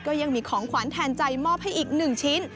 ก็ยังมีของขวัญแทนใจมอบให้อีก๑ชิ้น